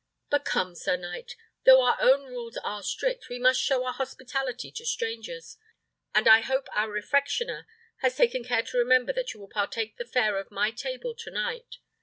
But come, sir knight! Though our own rules are strict, we must show our hospitality to strangers; and I hope our refectioner has taken care to remember that you will partake the fare of my table to night.